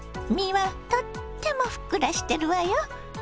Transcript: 身はとってもふっくらしてるわよ。